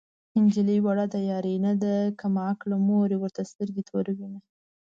نجلۍ وړه د يارۍ نه ده کم عقله مور يې ورته سترګې توروينه